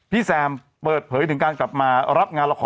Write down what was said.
แซมเปิดเผยถึงการกลับมารับงานละคร